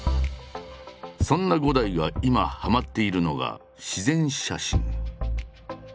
そんな伍代が今はまっているのが自然写真。